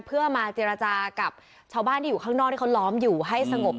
เพื่อมาเจรจากับชาวบ้านที่อยู่ข้างนอกที่เขาล้อมอยู่ให้สงบ